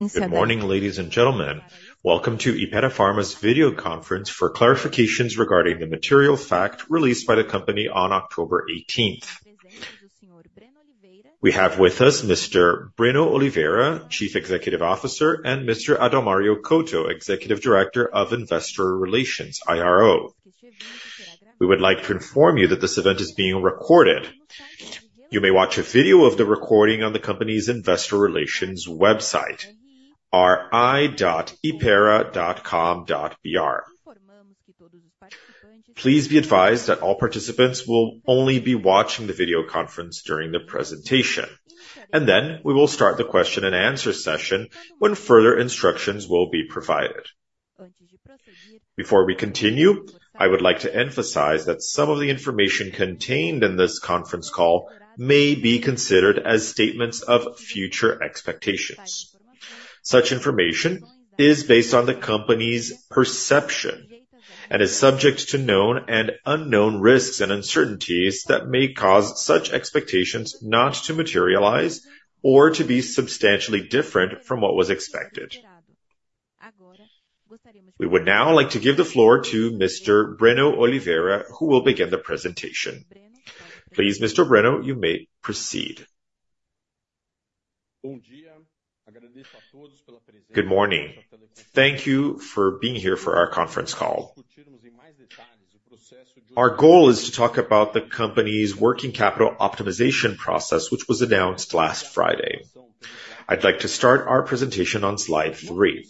Good morning, ladies and gentlemen. Welcome to Hypera Pharma's video conference for clarifications regarding the material fact released by the company on October 18. We have with us Mr. Breno Oliveira, Chief Executive Officer, and Mr. Adalmario Couto, Executive Director of Investor Relations, IRO. We would like to inform you that this event is being recorded. You may watch a video of the recording on the company's investor relations website, ri.hypera.com.br. Please be advised that all participants will only be watching the video conference during the presentation, and then we will start the question and answer session when further instructions will be provided. Before we continue, I would like to emphasize that some of the information contained in this conference call may be considered as statements of future expectations. Such information is based on the company's perception and is subject to known and unknown risks and uncertainties that may cause such expectations not to materialize or to be substantially different from what was expected. We would now like to give the floor to Mr. Breno Oliveira, who will begin the presentation. Please, Mr. Breno, you may proceed. Good morning. Thank you for being here for our conference call. Our goal is to talk about the company's working capital optimization process, which was announced last Friday. I'd like to start our presentation on slide three.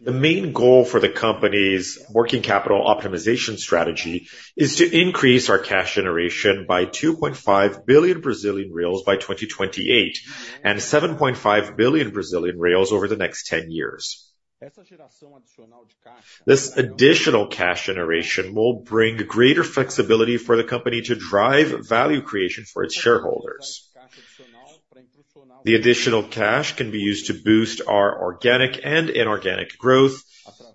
The main goal for the company's working capital optimization strategy is to increase our cash generation by 2.5 billion Brazilian reais by 2028, and 7.5 billion Brazilian reais over the next ten years. This additional cash generation will bring greater flexibility for the company to drive value creation for its shareholders. The additional cash can be used to boost our organic and inorganic growth,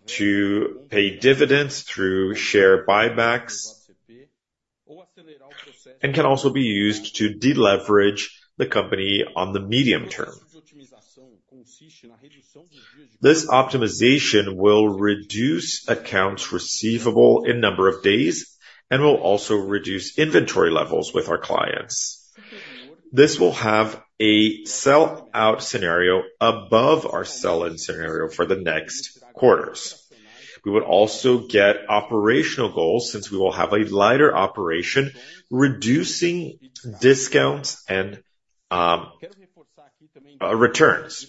to pay dividends through share buybacks, and can also be used to deleverage the company on the medium term. This optimization will reduce accounts receivable in number of days and will also reduce inventory levels with our clients. This will have a sell-out scenario above our sell-in scenario for the next quarters. We will also get operational goals since we will have a lighter operation, reducing discounts and returns.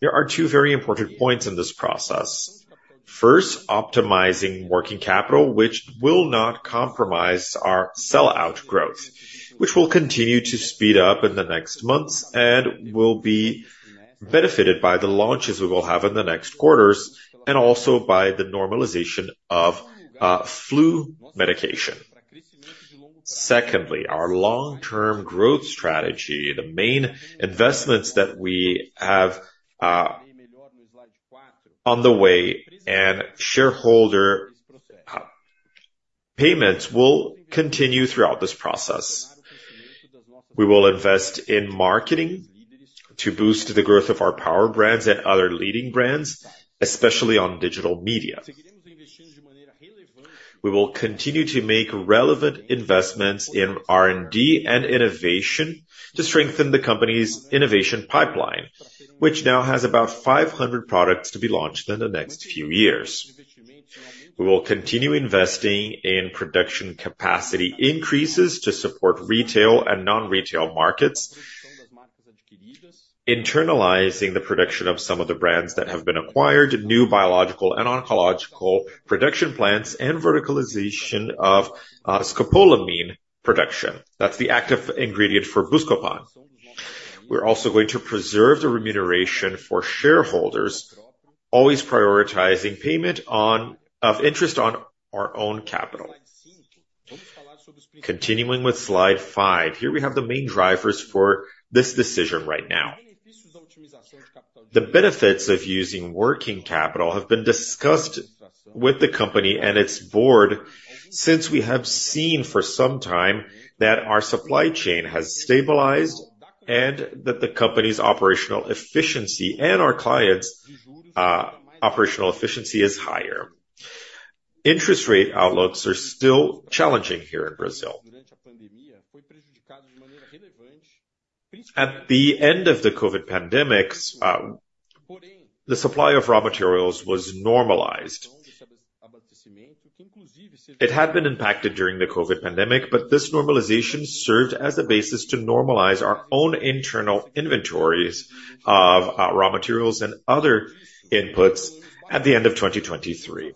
There are two very important points in this process. First, optimizing working capital, which will not compromise our sell-out growth, which will continue to speed up in the next months and will be benefited by the launches we will have in the next quarters, and also by the normalization of flu medication. Secondly, our long-term growth strategy, the main investments that we have on the way and shareholder payments will continue throughout this process. We will invest in marketing to boost the growth of our Power Brands and other leading brands, especially on digital media. We will continue to make relevant investments in R&D and innovation to strengthen the company's innovation pipeline, which now has about 500 products to be launched in the next few years. We will continue investing in production capacity increases to support retail and non-retail markets, internalizing the production of some of the brands that have been acquired, new biological and oncological production plants, and verticalization of scopolamine production. That's the active ingredient for Buscopan. We're also going to preserve the remuneration for shareholders, always prioritizing payment of interest on our own capital. Continuing with slide five, here we have the main drivers for this decision right now. The benefits of using working capital have been discussed with the company and its board since we have seen for some time that our supply chain has stabilized and that the company's operational efficiency and our clients' operational efficiency is higher. Interest rate outlooks are still challenging here in Brazil. At the end of the COVID pandemic, the supply of raw materials was normalized. It had been impacted during the COVID pandemic, but this normalization served as a basis to normalize our own internal inventories of raw materials and other inputs at the end of 2023.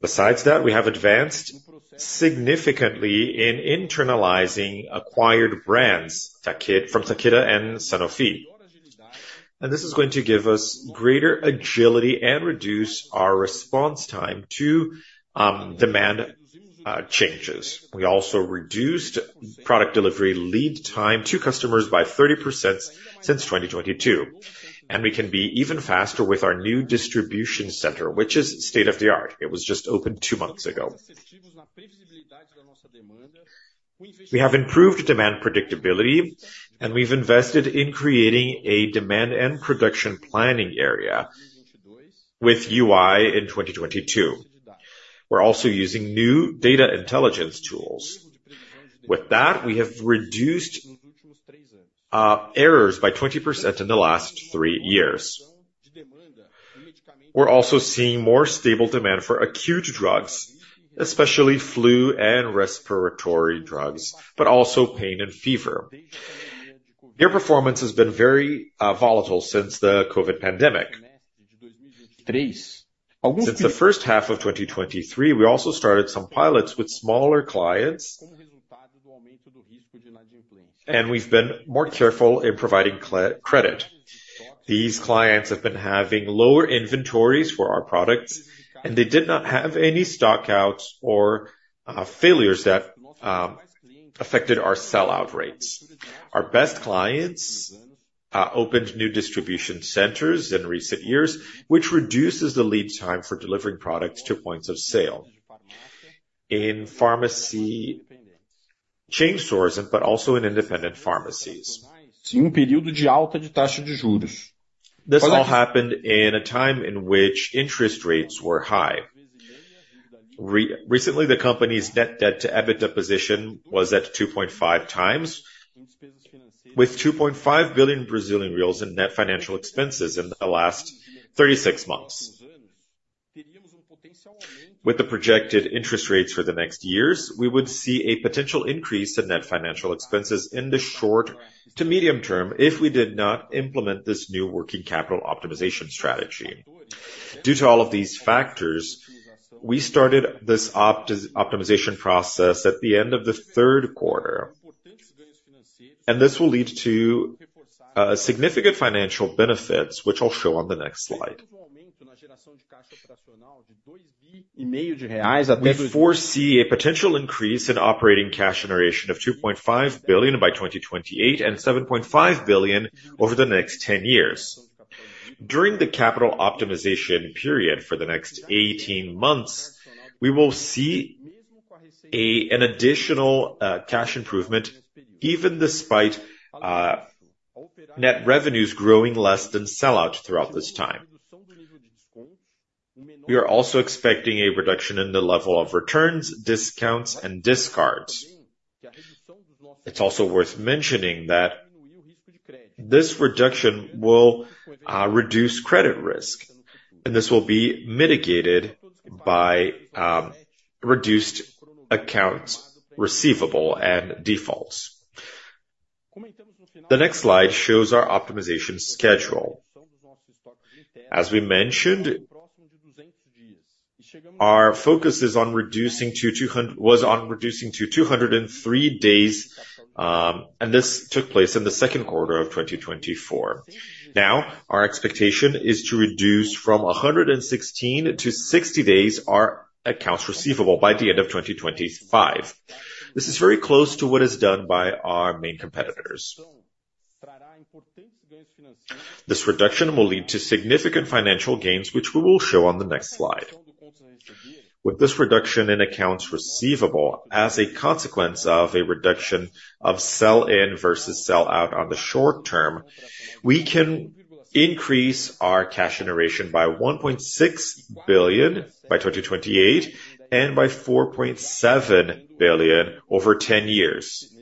Besides that, we have advanced significantly in internalizing acquired brands from Takeda and Sanofi, and this is going to give us greater agility and reduce our response time to demand changes. We also reduced product delivery lead time to customers by 30% since 2022, and we can be even faster with our new distribution center, which is state-of-the-art. It was just opened two months ago. We have improved demand predictability, and we've invested in creating a demand and production planning area with AI in 2022. We're also using new data intelligence tools. With that, we have reduced errors by 20% in the last three years. We're also seeing more stable demand for acute drugs, especially flu and respiratory drugs, but also pain and fever. Their performance has been very volatile since the COVID pandemic. Since the first half of 2023, we also started some pilots with smaller clients, and we've been more careful in providing credit. These clients have been having lower inventories for our products, and they did not have any stock-outs or failures that affected our sellout rates. Our best clients opened new distribution centers in recent years, which reduces the lead time for delivering products to points of sale in pharmacy chain stores, but also in independent pharmacies. This all happened in a time in which interest rates were high. Recently, the company's net debt to EBITDA position was at 2.5x, with 2.5 billion Brazilian reais in net financial expenses in the last 36 months. With the projected interest rates for the next years, we would see a potential increase in net financial expenses in the short to medium term if we did not implement this new working capital optimization strategy. Due to all of these factors, we started this optimization process at the end of the third quarter, and this will lead to significant financial benefits, which I'll show on the next slide. We foresee a potential increase in operating cash generation of 2.5 billion BRL by 2028, and 7.5 billion BRL over the next 10 years. During the capital optimization period for the next 18 months, we will see an additional cash improvement, even despite net revenues growing less than sellout throughout this time. We are also expecting a reduction in the level of returns, discounts, and discards. It's also worth mentioning that this reduction will reduce credit risk, and this will be mitigated by reduced accounts receivable and defaults. The next slide shows our optimization schedule. As we mentioned, our focus was on reducing to 203 days, and this took place in the second quarter of 2024. Now, our expectation is to reduce from 116-60 days, our accounts receivable by the end of 2025. This is very close to what is done by our main competitors. This reduction will lead to significant financial gains, which we will show on the next slide. With this reduction in accounts receivable, as a consequence of a reduction of sell-in versus sellout on the short term, we can increase our cash generation by 1.6 billion by 2028 and by 4.7 billion over 10 years,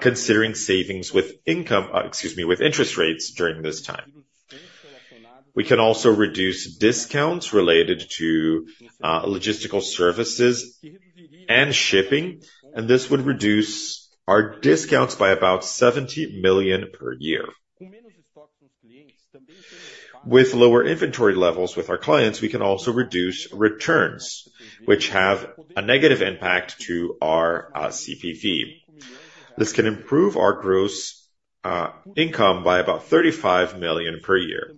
considering savings with income, excuse me, with interest rates during this time. We can also reduce discounts related to logistical services and shipping, and this would reduce our discounts by about 70 million per year. With lower inventory levels with our clients, we can also reduce returns, which have a negative impact to our COGS. This can improve our gross income by about 35 million per year.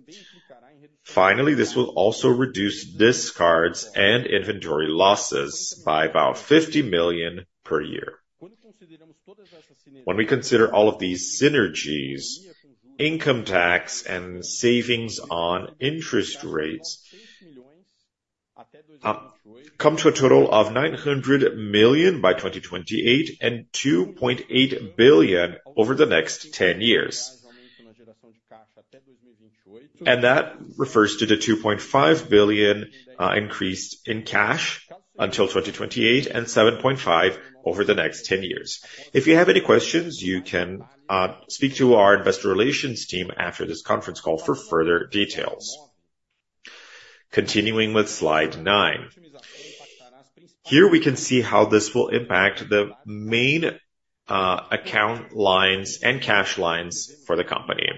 Finally, this will also reduce discards and inventory losses by about 50 million per year. When we consider all of these synergies, income tax and savings on interest rates come to a total of 900 million by 2028 and 2.8 billion over the next 10 years. That refers to the 2.5 billion increase in cash until 2028, and 7.5 billion over the next ten years. If you have any questions, you can speak to our investor relations team after this conference call for further details. Continuing with slide nine. Here, we can see how this will impact the main account lines and cash lines for the company.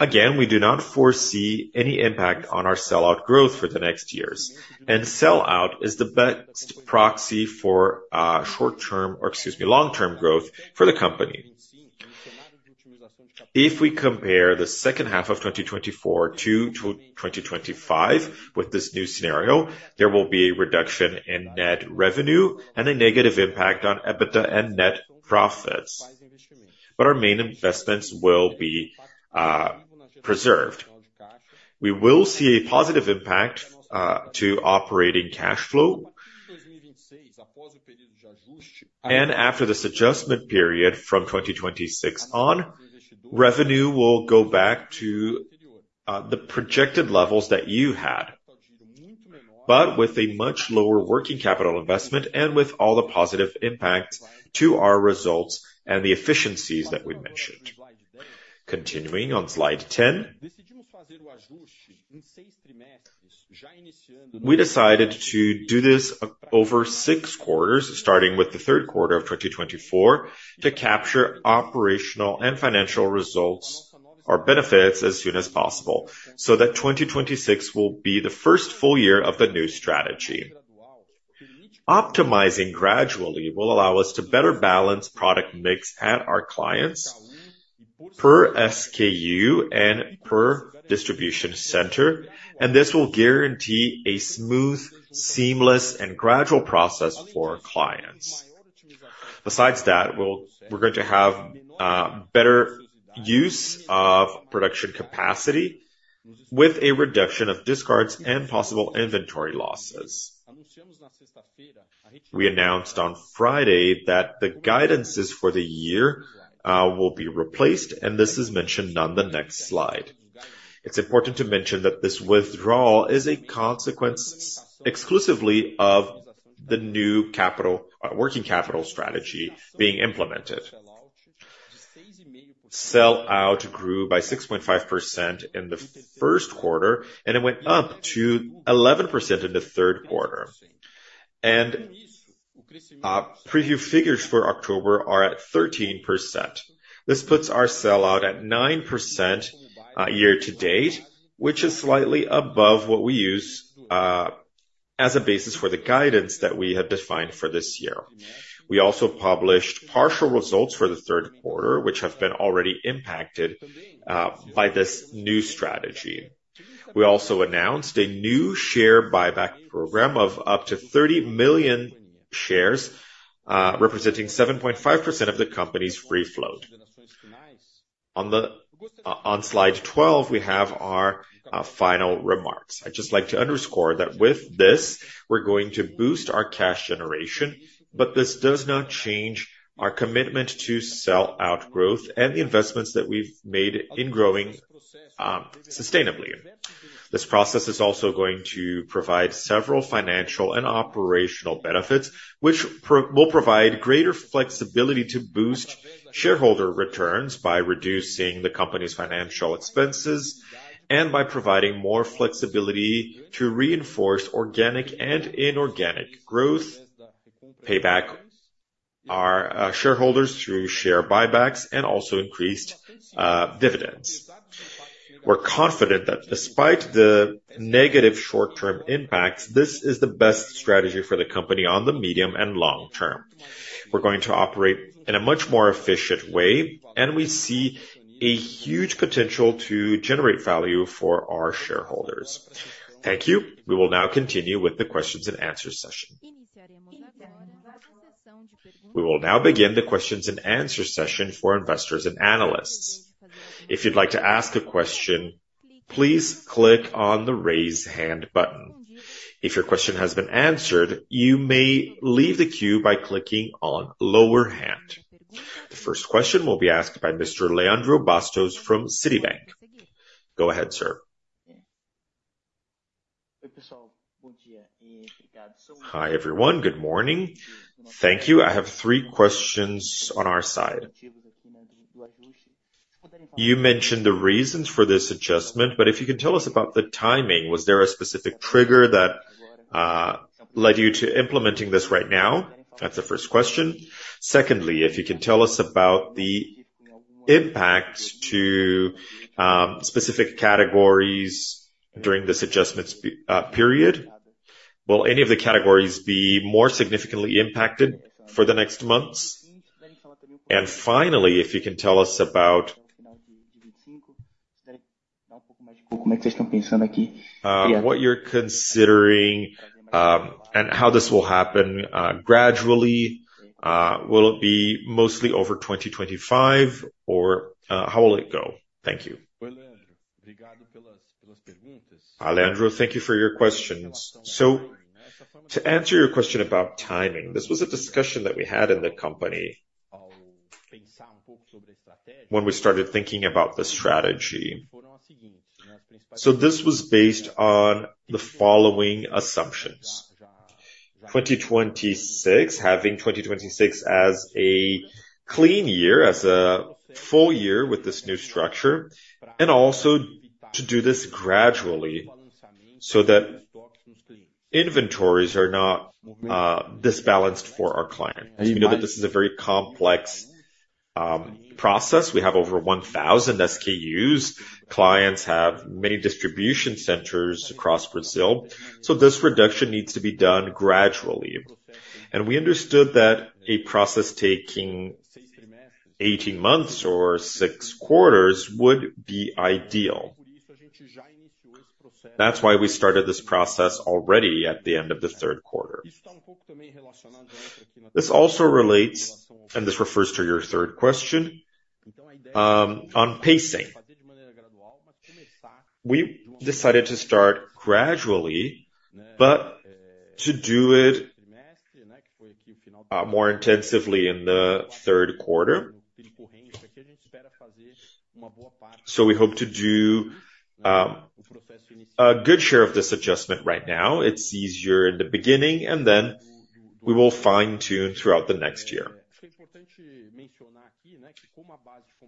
Again, we do not foresee any impact on our sellout growth for the next years, and sellout is the best proxy for short-term, or excuse me, long-term growth for the company. If we compare the second half of 2024-2025 with this new scenario, there will be a reduction in net revenue and a negative impact on EBITDA and net profits.... But our main investments will be preserved. We will see a positive impact to operating cash flow. And after this adjustment period, from 2026 on, revenue will go back to the projected levels that you had, but with a much lower working capital investment and with all the positive impacts to our results and the efficiencies that we mentioned. Continuing on slide 10. We decided to do this over six quarters, starting with the third quarter of 2024, to capture operational and financial results or benefits as soon as possible, so that 2026 will be the first full year of the new strategy. Optimizing gradually will allow us to better balance product mix at our clients per SKU and per distribution center, and this will guarantee a smooth, seamless, and gradual process for our clients. Besides that, we're going to have better use of production capacity with a reduction of discards and possible inventory losses. We announced on Friday that the guidances for the year will be replaced, and this is mentioned on the next slide. It's important to mention that this withdrawal is a consequence exclusively of the new working capital strategy being implemented. Sell-out grew by 6.5% in the first quarter, and it went up to 11% in the third quarter. Preview figures for October are at 13%. This puts our sell-out at 9%, year to date, which is slightly above what we use as a basis for the guidance that we have defined for this year. We also published partial results for the third quarter, which have been already impacted by this new strategy. We also announced a new share buyback program of up to 30 million shares, representing 7.5% of the company's free float. On slide 12, we have our final remarks. I'd just like to underscore that with this, we're going to boost our cash generation, but this does not change our commitment to sell-out growth and the investments that we've made in growing sustainably. This process is also going to provide several financial and operational benefits, which will provide greater flexibility to boost shareholder returns by reducing the company's financial expenses and by providing more flexibility to reinforce organic and inorganic growth, pay back our shareholders through share buybacks, and also increased dividends. We're confident that despite the negative short-term impacts, this is the best strategy for the company on the medium and long term. We're going to operate in a much more efficient way, and we see a huge potential to generate value for our shareholders. Thank you. We will now continue with the questions and answer session. We will now begin the questions and answer session for investors and analysts. If you'd like to ask a question, please click on the Raise Hand button. If your question has been answered, you may leave the queue by clicking on Lower Hand. The first question will be asked by Mr. Leandro Bastos from Citibank. Go ahead, sir. Hi, everyone. Good morning. Thank you. I have three questions on our side. You mentioned the reasons for this adjustment, but if you can tell us about the timing, was there a specific trigger that led you to implementing this right now? That's the first question. Secondly, if you can tell us about the impact to specific categories during this adjustment period. Will any of the categories be more significantly impacted for the next months? And finally, if you can tell us about what you're considering and how this will happen gradually, will it be mostly over 2025, or how will it go? Thank you. Alejandro, thank you for your questions. So to answer your question about timing, this was a discussion that we had in the company when we started thinking about the strategy. So this was based on the following assumptions: 2026, having 2026 as a clean year, as a full year with this new structure, and also to do this gradually so that inventories are not disbalanced for our clients. We know that this is a very complex process. We have over 1,000 SKUs. Clients have many distribution centers across Brazil, so this reduction needs to be done gradually. And we understood that a process taking 18 months or six quarters would be ideal... That's why we started this process already at the end of the third quarter. This also relates, and this refers to your third question on pacing. We decided to start gradually, but to do it more intensively in the third quarter, so we hope to do a good share of this adjustment right now. It's easier in the beginning, and then we will fine-tune throughout the next year.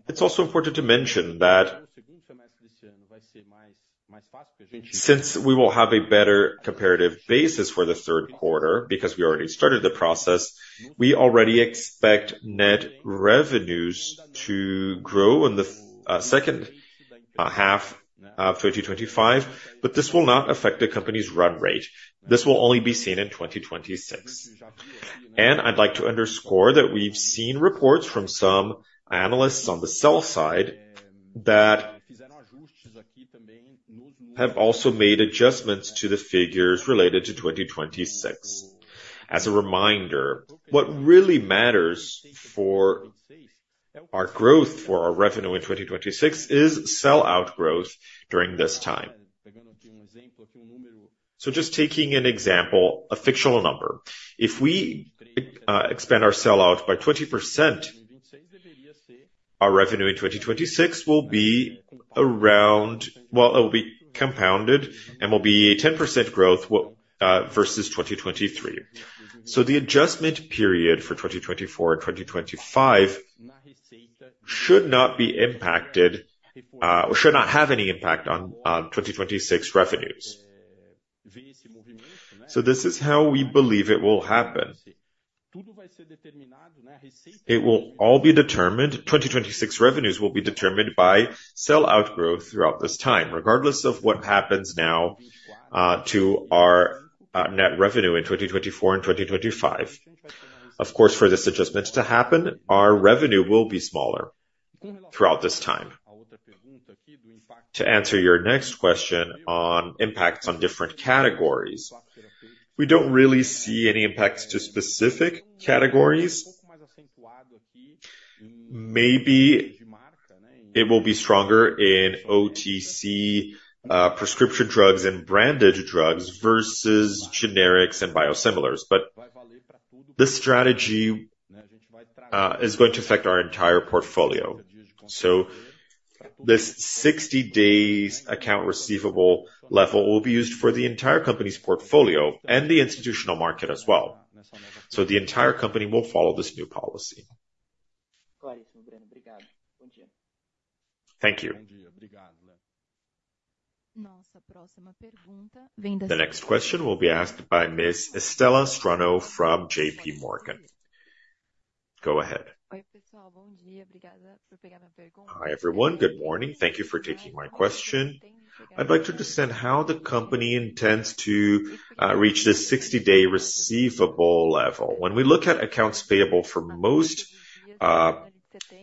It's also important to mention that since we will have a better comparative basis for the third quarter, because we already started the process, we already expect net revenues to grow in the second half of 2025, but this will not affect the company's run rate. This will only be seen in 2026, and I'd like to underscore that we've seen reports from some analysts on the sell side that have also made adjustments to the figures related to 2026. As a reminder, what really matters for our growth, for our revenue in 2026, is sell-out growth during this time. Just taking an example, a fictional number. If we expand our sell-out by 20%, our revenue in 2026 will be around. Well, it will be compounded and will be a 10% growth versus 2023. The adjustment period for 2024 and 2025 should not be impacted or should not have any impact on 2026 revenues. This is how we believe it will happen. It will all be determined. 2026 revenues will be determined by sell-out growth throughout this time, regardless of what happens now to our net revenue in 2024 and 2025. Of course, for this adjustment to happen, our revenue will be smaller throughout this time. To answer your next question on impacts on different categories, we don't really see any impacts to specific categories. Maybe it will be stronger in OTC, prescription drugs and branded drugs versus generics and biosimilars. But this strategy is going to affect our entire portfolio. So this 60 days account receivable level will be used for the entire company's portfolio and the institutional market as well. So the entire company will follow this new policy. Thank you. Thank you. The next question will be asked by Ms. Estela Strang from J.P. Morgan. Go ahead. Hi, everyone. Good morning. Thank you for taking my question. I'd like to understand how the company intends to reach this 60-day receivable level. When we look at accounts payable for most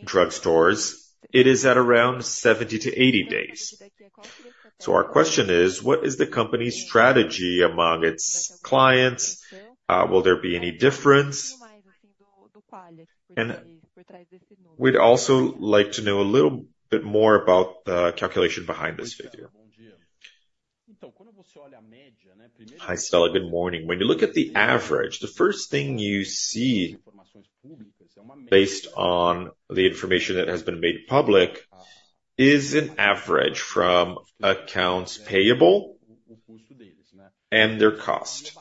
drugstores, it is at around 70-80 days. So our question is: What is the company's strategy among its clients? Will there be any difference, and we'd also like to know a little bit more about the calculation behind this figure. Hi, Stella. Good morning. When you look at the average, the first thing you see, based on the information that has been made public, is an average from accounts payable and their cost,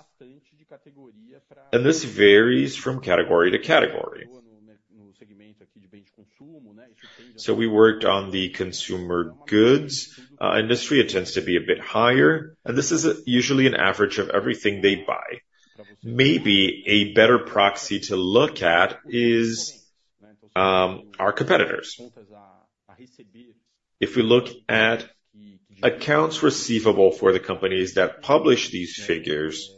and this varies from category to category. So we worked on the consumer goods industry. It tends to be a bit higher, and this is usually an average of everything they buy. Maybe a better proxy to look at is our competitors. If we look at accounts receivable for the companies that publish these figures,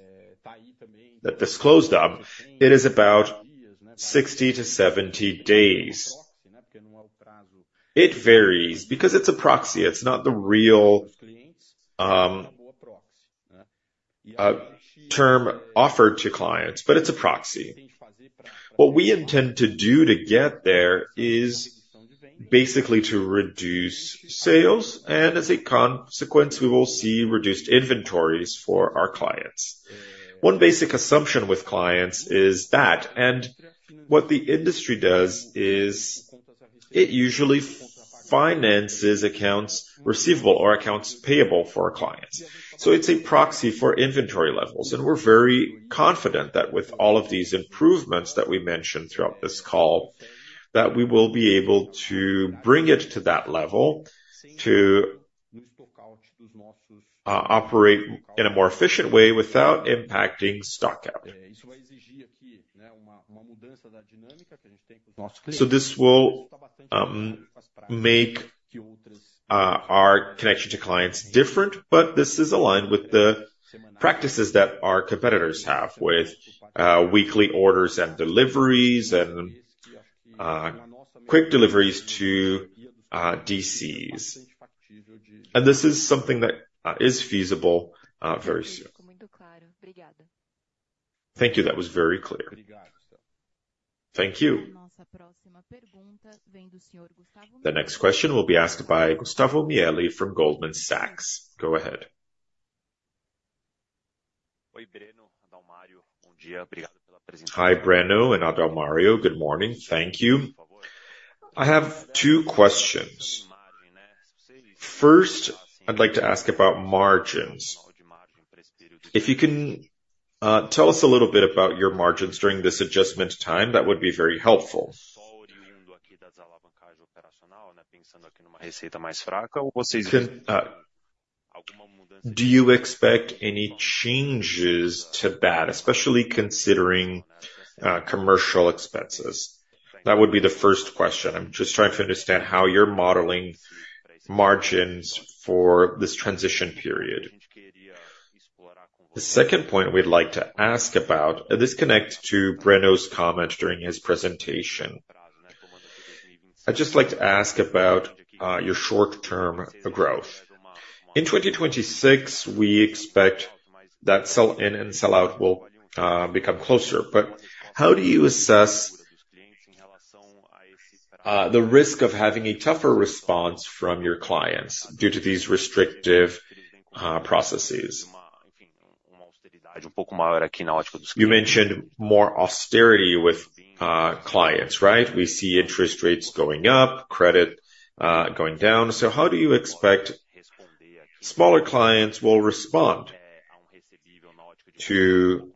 that disclose them, it is about 60-70 days. It varies because it's a proxy. It's not the real term offered to clients, but it's a proxy. What we intend to do to get there is basically to reduce sales, and as a consequence, we will see reduced inventories for our clients. One basic assumption with clients is that, and what the industry does is it usually finances accounts receivable or accounts payable for our clients. So it's a proxy for inventory levels, and we're very confident that with all of these improvements that we mentioned throughout this call, that we will be able to bring it to that level, to operate in a more efficient way without impacting stock-out. So this will make our connection to clients different, but this is aligned with the practices that our competitors have with weekly orders and deliveries and quick deliveries to DCs. And this is something that is feasible very soon. Thank you. That was very clear. Thank you. The next question will be asked by Gustavo Miele from Goldman Sachs. Go ahead. Hi, Breno and Adalmario. Good morning. Thank you. I have two questions. First, I'd like to ask about margins. If you can tell us a little bit about your margins during this adjustment time, that would be very helpful. Do you expect any changes to that, especially considering commercial expenses? That would be the first question. I'm just trying to understand how you're modeling margins for this transition period. The second point we'd like to ask about, and this connects to Breno's comment during his presentation. I'd just like to ask about your short-term growth. In 2026, we expect that sell-in and sell-out will become closer, but how do you assess the risk of having a tougher response from your clients due to these restrictive processes? You mentioned more austerity with clients, right? We see interest rates going up, credit going down. So how do you expect smaller clients will respond to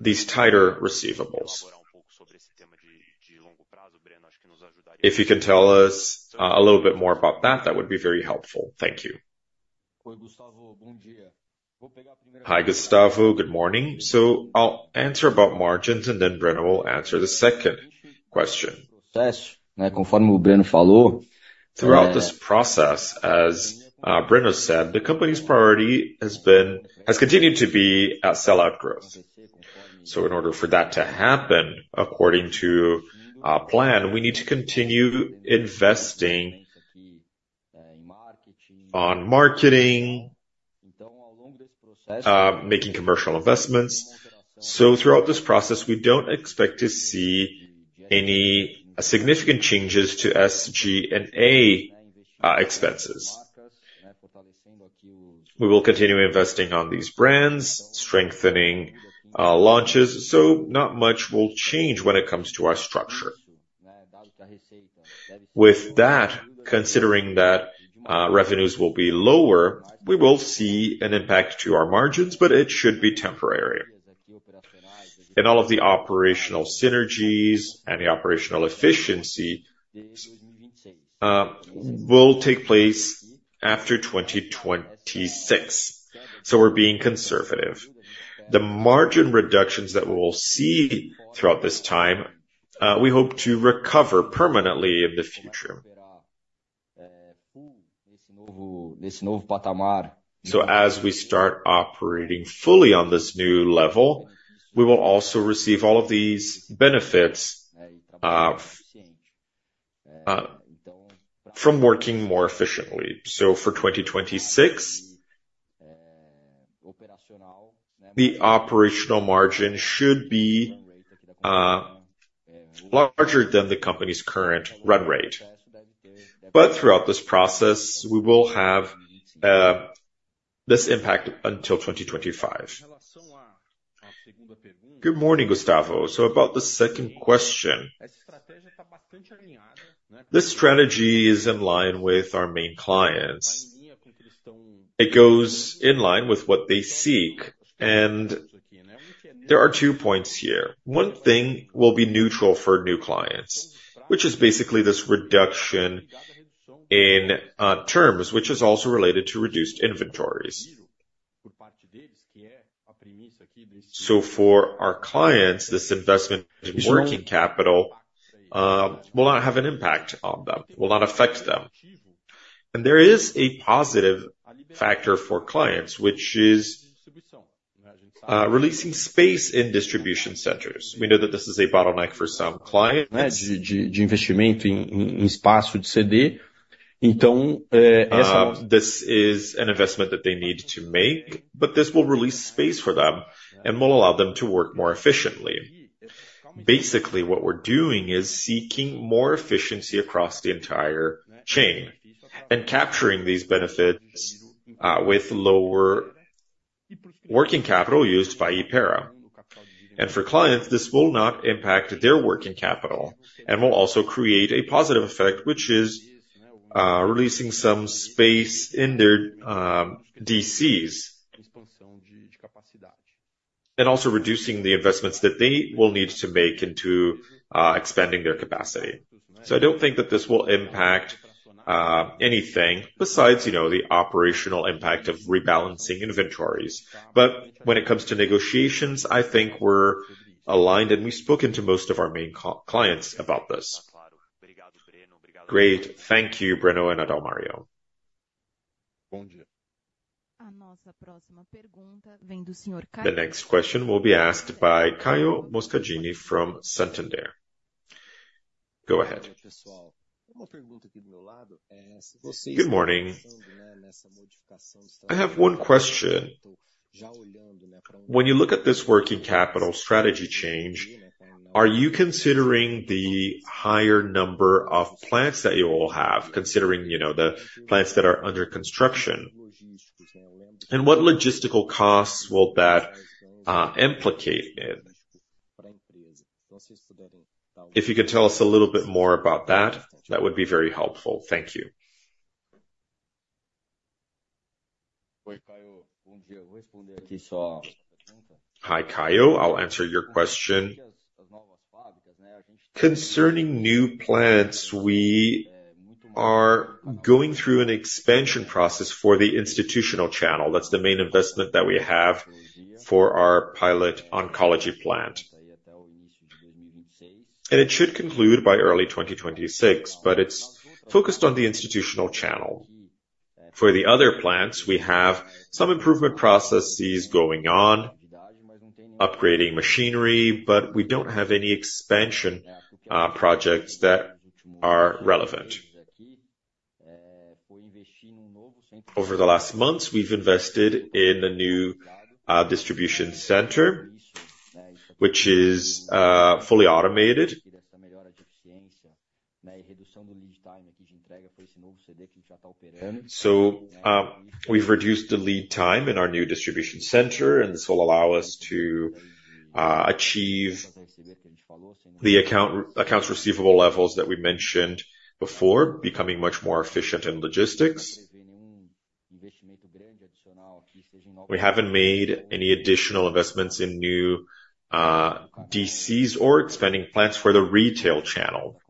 these tighter receivables? If you could tell us a little bit more about that, that would be very helpful. Thank you. Hi, Gustavo. Good morning. So I'll answer about margins, and then Breno will answer the second question. Throughout this process, as Breno said, the company's priority has continued to be sell-out growth. So in order for that to happen, according to our plan, we need to continue investing on marketing, making commercial investments. So throughout this process, we don't expect to see any significant changes to SG&A expenses. We will continue investing on these brands, strengthening launches, so not much will change when it comes to our structure. With that, considering that, revenues will be lower, we will see an impact to our margins, but it should be temporary and all of the operational synergies and the operational efficiency will take place after 2026, so we're being conservative. The margin reductions that we will see throughout this time, we hope to recover permanently in the future. So as we start operating fully on this new level, we will also receive all of these benefits from working more efficiently. So for 2026, the operational margin should be larger than the company's current run rate but throughout this process, we will have this impact until 2025. Good morning, Gustavo. So about the second question, this strategy is in line with our main clients. It goes in line with what they seek, and there are two points here. One thing will be neutral for new clients, which is basically this reduction in terms, which is also related to reduced inventories. So for our clients, this investment in working capital will not have an impact on them, will not affect them, and there is a positive factor for clients, which is releasing space in distribution centers. We know that this is a bottleneck for some clients. This is an investment that they need to make, but this will release space for them, and will allow them to work more efficiently. Basically, what we're doing is seeking more efficiency across the entire chain and capturing these benefits with lower working capital used by Hypera, and for clients, this will not impact their working capital and will also create a positive effect, which is releasing some space in their DCs. And also reducing the investments that they will need to make into expanding their capacity. So I don't think that this will impact anything besides, you know, the operational impact of rebalancing inventories. But when it comes to negotiations, I think we're aligned, and we've spoken to most of our main clients about this. Great. Thank you, Breno and Adalmario. The next question will be asked by Caio Moscardini from Santander. Go ahead. Good morning. I have one question. When you look at this working capital strategy change, are you considering the higher number of plants that you all have, considering, you know, the plants that are under construction? And what logistical costs will that implicate in? If you could tell us a little bit more about that, that would be very helpful. Thank you. Hi, Caio. I'll answer your question. Concerning new plants, we are going through an expansion process for the institutional channel. That's the main investment that we have for our pilot oncology plant. It should conclude by early 2026, but it's focused on the institutional channel. For the other plants, we have some improvement processes going on, upgrading machinery, but we don't have any expansion projects that are relevant. Over the last months, we've invested in a new distribution center, which is fully automated. We've reduced the lead time in our new distribution center, and this will allow us to achieve the accounts receivable levels that we mentioned before, becoming much more efficient in logistics. We haven't made any additional investments in new DCs or expanding plants for the retail channel,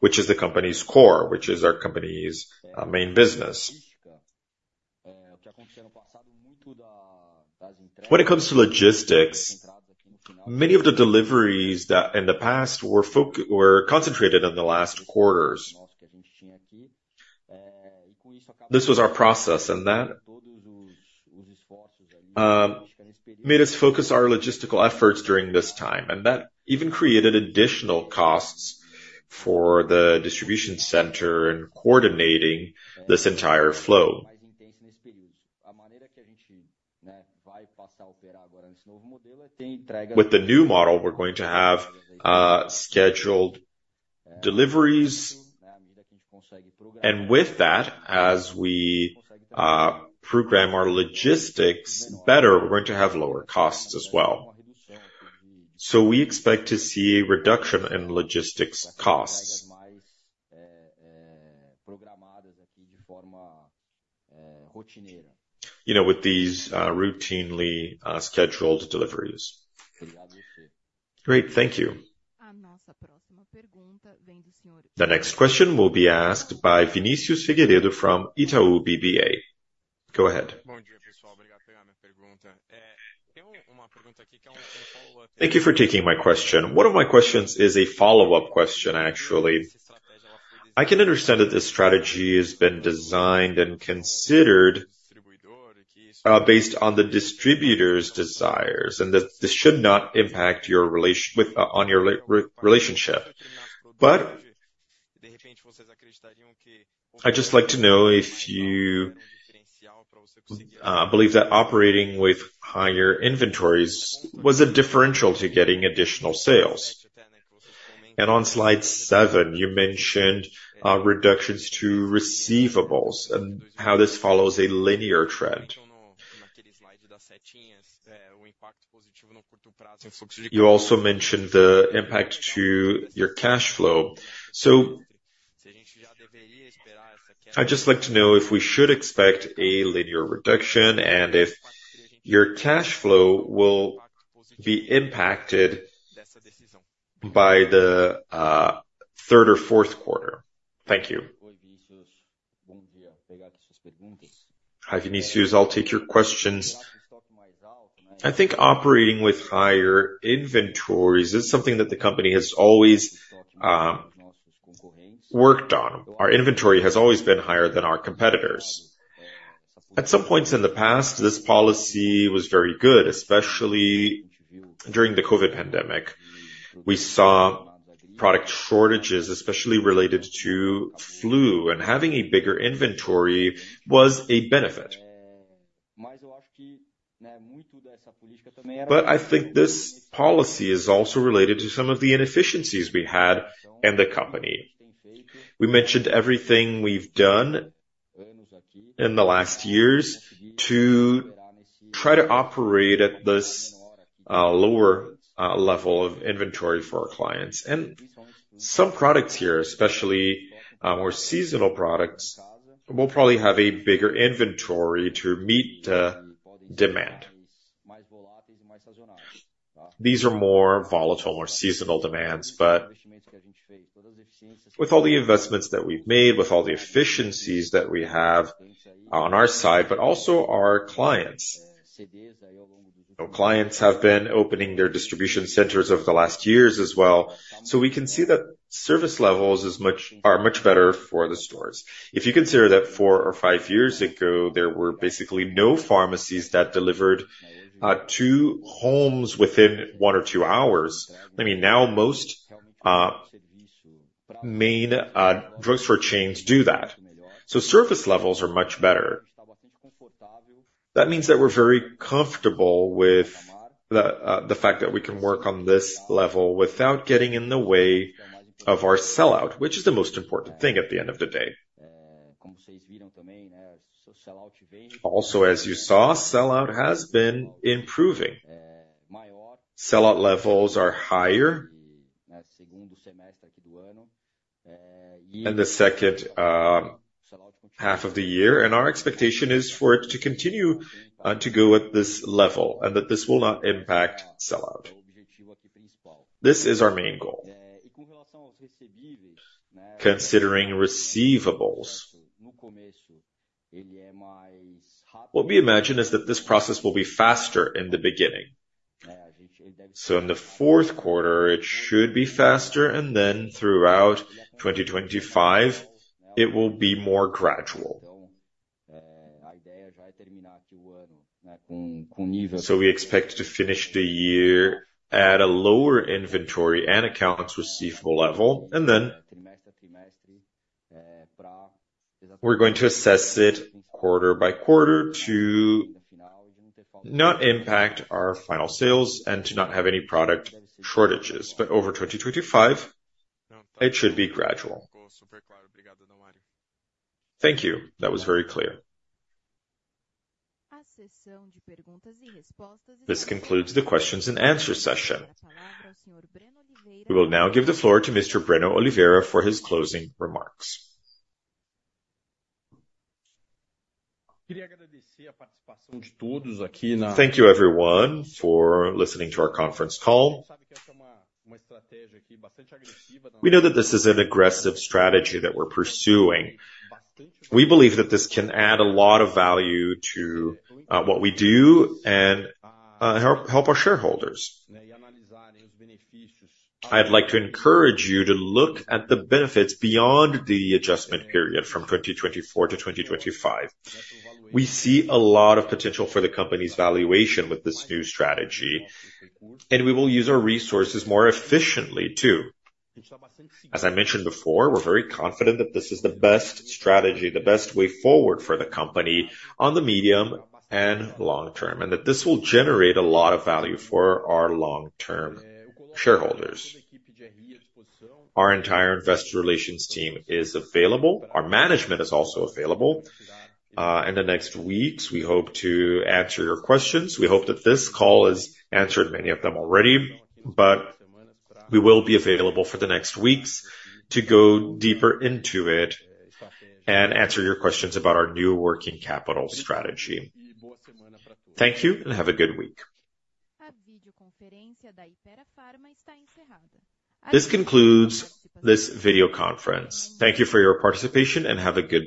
which is the company's core, which is our company's main business. When it comes to logistics, many of the deliveries that in the past were concentrated in the last quarters. This was our process, and that made us focus our logistical efforts during this time, and that even created additional costs for the distribution center and coordinating this entire flow. With the new model, we're going to have scheduled deliveries, and with that, as we program our logistics better, we're going to have lower costs as well. So we expect to see a reduction in logistics costs. You know, with these routinely scheduled deliveries. Great, thank you. The next question will be asked by Vinicius Figueiredo from Itaú BBA. Go ahead. Thank you for taking my question. One of my questions is a follow-up question, actually. I can understand that this strategy has been designed and considered based on the distributor's desires, and that this should not impact your relationship. I'd just like to know if you believe that operating with higher inventories was a differential to getting additional sales. On slide seven, you mentioned reductions to receivables and how this follows a linear trend. You also mentioned the impact to your cash flow. I'd just like to know if we should expect a linear reduction and if your cash flow will be impacted by the third or fourth quarter. Thank you. Hi, Vinicius. I'll take your questions. I think operating with higher inventories is something that the company has always worked on. Our inventory has always been higher than our competitors. At some points in the past, this policy was very good, especially during the COVID pandemic. We saw product shortages, especially related to flu, and having a bigger inventory was a benefit. But I think this policy is also related to some of the inefficiencies we had in the company. We mentioned everything we've done in the last years to try to operate at this lower level of inventory for our clients. And some products here, especially more seasonal products, will probably have a bigger inventory to meet the demand. These are more volatile or seasonal demands, but with all the investments that we've made, with all the efficiencies that we have on our side, but also our clients... No clients have been opening their distribution centers over the last years as well, so we can see that service levels are much better for the stores. If you consider that four or five years ago, there were basically no pharmacies that delivered to homes within one or two hours, I mean, now most main drugstore chains do that. So service levels are much better. That means that we're very comfortable with the fact that we can work on this level without getting in the way of our sellout, which is the most important thing at the end of the day. Also, as you saw, sellout has been improving. Sellout levels are higher in the second half of the year, and our expectation is for it to continue to go at this level, and that this will not impact sellout. This is our main goal. Considering receivables, what we imagine is that this process will be faster in the beginning. So in the fourth quarter, it should be faster, and then throughout 2025, it will be more gradual. So we expect to finish the year at a lower inventory and accounts receivable level, and then we're going to assess it quarter by quarter to not impact our final sales and to not have any product shortages. But over 2025, it should be gradual. Thank you. That was very clear. This concludes the questions and answer session. We will now give the floor to Mr. Breno Oliveira for his closing remarks. Thank you, everyone, for listening to our conference call. We know that this is an aggressive strategy that we're pursuing. We believe that this can add a lot of value to what we do and help our shareholders. I'd like to encourage you to look at the benefits beyond the adjustment period from 2024-2025. We see a lot of potential for the company's valuation with this new strategy, and we will use our resources more efficiently, too. As I mentioned before, we're very confident that this is the best strategy, the best way forward for the company on the medium and long term, and that this will generate a lot of value for our long-term shareholders. Our entire investor relations team is available, our management is also available. In the next weeks, we hope to answer your questions. We hope that this call has answered many of them already, but we will be available for the next weeks to go deeper into it and answer your questions about our new working capital strategy. Thank you, and have a good week. This concludes this video conference. Thank you for your participation, and have a good day.